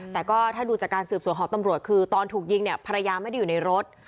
แต่ก็ถ้าดูจากการสืบสวนของตำรวจคือตอนถูกยิงเนี่ยภรรยาไม่ได้อยู่ในรถ